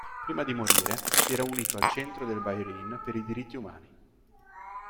Prima di morire, si era unito al Centro del Bahrein per i Diritti Umani.